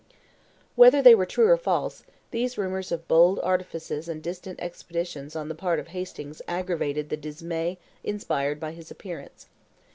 Whether they were true or false, these rumors of bold artifices and distant expeditions on the part of Hastings aggravated the dismay inspired by his appearance.